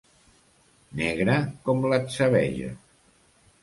Negre com l'atzabeja.